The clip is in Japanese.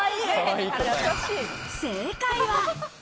正解は？